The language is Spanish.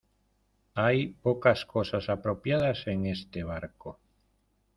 hay pocas cosas apropiadas en este barco.